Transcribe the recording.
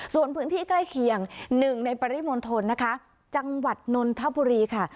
ส่วนพื้นที่ใกล้เคียงหนึ่งในปริมณฑลนะคะจังหวัดนนทบุรีค่ะ